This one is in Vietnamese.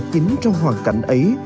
chính trong hoàn cảnh ấy